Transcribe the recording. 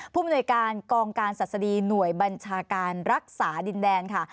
ผู้บริโนยการกองการศัตรินหน่วยบัญชาการรักษาดินแดนค่ะ